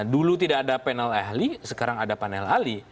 dulu tidak ada panel ahli sekarang ada panel ahli